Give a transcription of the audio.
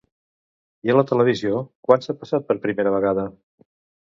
I a la televisió quan s'ha passat per primera vegada?